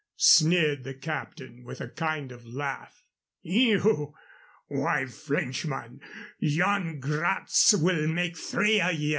sneered the captain, with a kind of laugh. "You! Why, Frenchman, Yan Gratz will make three of ye.